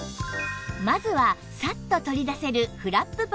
まずはサッと取り出せるフラップポケット